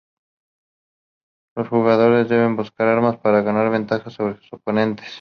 Los jugadores deben buscar armas para ganar ventaja sobre sus oponentes.